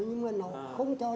sự thật là không